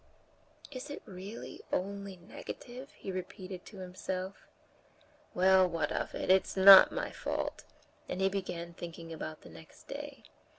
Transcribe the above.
"Is it really only negative?" he repeated to himself. "Well, what of it? It's not my fault." And he began thinking about the next day.